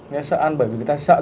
người ta sợ ăn bởi vì người ta sợ ăn